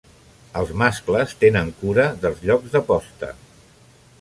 Els mascles tenen cura dels llocs de posta.